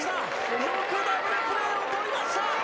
よくダブルプレーを取りました。